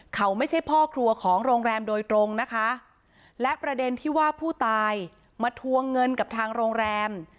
เขาไม่ใช่พ่อครัวของโรงแรมโดยตรงนะคะและประเด็นที่ว่าผู้ตายมาทวงเงินกับทางโรงแรม